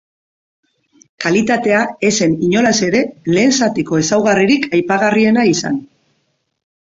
Kalitatea ez zen inolaz ere lehen zatiko ezaugarririk aipagarriena izan.